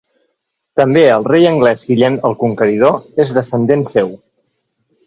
També el rei anglès Guillem el Conqueridor és descendent seu.